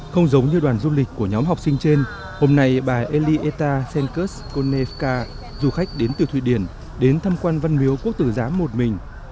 không giống như đoàn du lịch của nhóm học sinh trên hôm nay bà elita senkus koneca du khách đến từ thụy điển đến thăm quan văn miếu quốc tử giám một mình